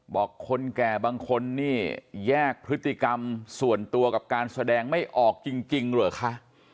คนแก่บางคนนี่แยกพฤติกรรมส่วนตัวกับการแสดงไม่ออกจริงเหรอคะ